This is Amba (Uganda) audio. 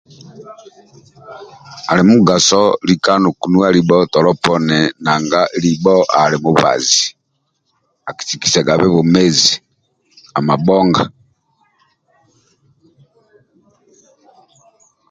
Ali mugaso lika nokunuwa libo tolo poni nanga lobo ali mubazi akisikisagabhe bwomezi amabonga